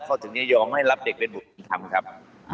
เขาถึงจะยอมให้รับเด็กเป็นบุตรบุญธรรมครับ